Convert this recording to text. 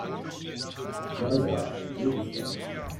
Ja ja, so ist das.